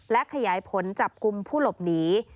และขยายผลจับกลุ่มผู้หลบหนี